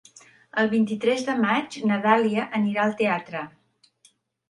El vint-i-tres de maig na Dàlia anirà al teatre.